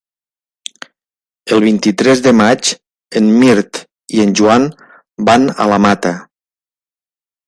El vint-i-tres de maig en Mirt i en Joan van a la Mata.